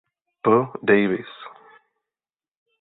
P. Davise.